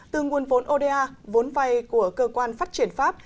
từ nguồn vốn oda vốn vay của cơ quan phát triển pháp